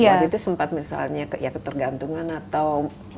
waktu itu sempat misalnya ketergantungan atau